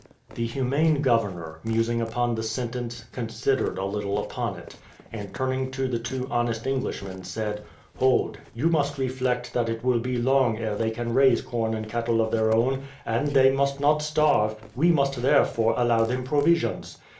The humane governor, musing upon the sentence, considered a little upon it; and turning to the two honest Englishmen, said, "Hold; you must reflect that it will be long ere they can raise corn and cattle of their own, and they must not starve; we must therefore allow them provisions."